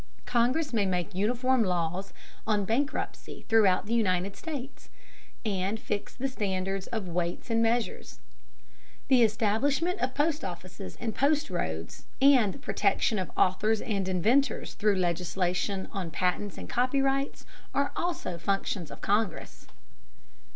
Congress may make uniform laws on bankruptcy throughout the United States, and fix the standards of weights and measures. The establishment of post offices and post roads, and the protection of authors and inventors through legislation on patents and copyrights, are also functions of Congress.